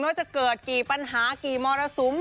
ว่าจะเกิดกี่ปัญหากี่มรสุม